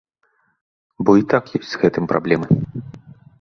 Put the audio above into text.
Бо і так ёсць з гэтым праблемы.